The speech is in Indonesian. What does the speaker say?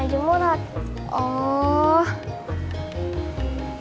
iya bukan adek